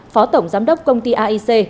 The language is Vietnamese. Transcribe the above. phó tổng giám đốc công ty aic